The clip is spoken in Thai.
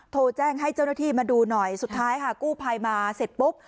โทรแจ้งให้เจ้าหน้าที่มาดูหน่อยสุดท้ายค่ะกู้ภัยมาเสร็จปุ๊บ